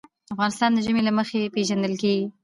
افغانستان د ژمی له مخې پېژندل کېږي.